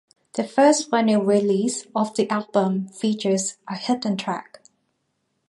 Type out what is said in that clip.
The first vinyl release of the album features a hidden track.